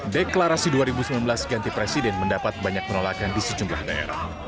deklarasi dua ribu sembilan belas ganti presiden mendapat banyak penolakan di sejumlah daerah